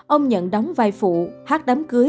ông nhận đóng vai phụ hát đám cưới